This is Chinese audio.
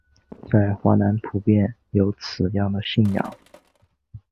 在华南普遍有此样的信仰。